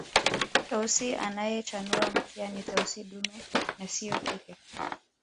Tausi anayechanua mkia ni Tausi dume na siyo jike